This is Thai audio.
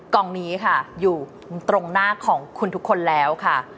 กล่องนี้ค่ะอยู่ตรงหน้าของคุณทุกคนแล้วค่ะ